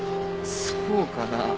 そうかな？